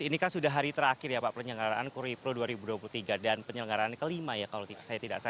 ini kan sudah hari terakhir ya pak penyelenggaraan kuri pro dua ribu dua puluh tiga dan penyelenggaran kelima ya kalau saya tidak salah